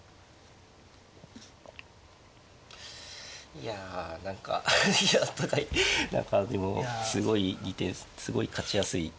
いや何かいやお互い何かでもすごいいい手すごい勝ちやすい。